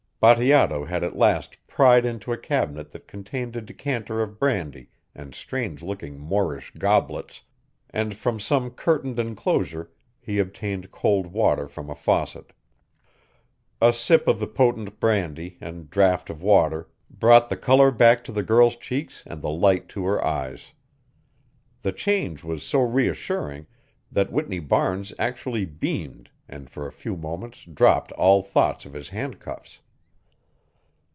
Bateato had at last pried into a cabinet that contained a decanter of brandy and strange looking Moorish goblets, and from some curtained enclosure he obtained cold water from a faucet. A sip of the potent brandy and draught of water brought the color back to the girl's cheeks and the light to her eyes. The change was so reassuring that Whitney Barnes actually beamed and for a few moments dropped all thought of his handcuffs.